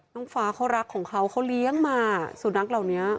น้องฟ้าเขารักของเขาเขาเลี้ยงมาสุนัขเหล่านี้